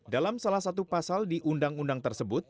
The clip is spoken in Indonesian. dalam salah satu pasal di undang undang tersebut